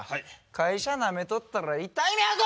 会社なめとったら痛い目遭うぞ！